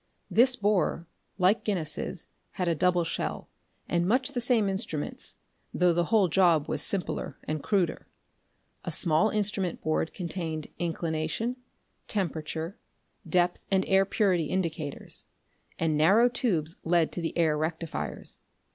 This borer, like Guinness's, had a double shell, and much the same instruments, though the whole job was simpler and cruder. A small instrument board contained inclination, temperature, depth and air purity indicators, and narrow tubes led to the air rectifiers.